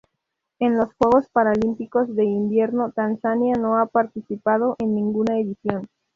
En los Juegos Paralímpicos de Invierno Tanzania no ha participado en ninguna edición.